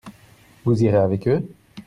Vous irez avec eux ?